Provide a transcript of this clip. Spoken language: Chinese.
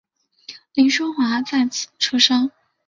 凌叔华在此出生。